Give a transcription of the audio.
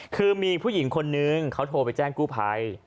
คือมีผู้หญิงคนนึงเขาโทรไปแจ้งกู้ภัย